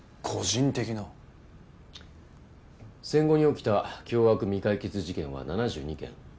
戦後に起きた凶悪未解決事件は７２件。